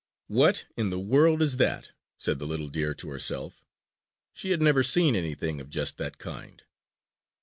"What in the world is that?" said the little deer to herself. She had never seen anything of just that kind!